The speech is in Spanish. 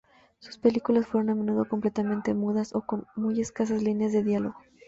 Sus películas fueron a menudo completamente mudas, o con muy escasas líneas de diálogo.